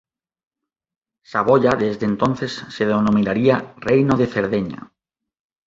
Saboya desde entonces se denominará Reino de Cerdeña.